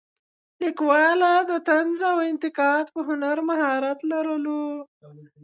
لیکواله د طنز او انتقاد په هنر مهارت لرلو.